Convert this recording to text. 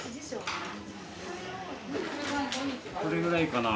これぐらいかな。